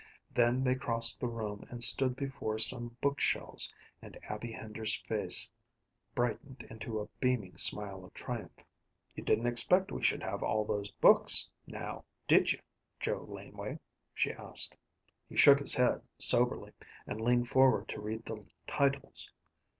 Then they crossed the room and stood before some bookshelves, and Abby Hender's face brightened into a beaming smile of triumph. "You didn't expect we should have all those books, now, did you, Joe Laneway?" she asked. He shook his head soberly, and leaned forward to read the titles.